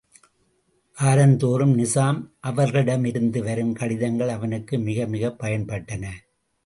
வாரந்தோறும், நிசாம் அவர்களிடமிருந்து வரும் கடிதங்கள் அவனுக்கு மிகமிகப் பயன்பட்டன.